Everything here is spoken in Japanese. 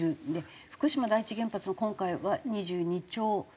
福島第一原発の今回は２２兆という。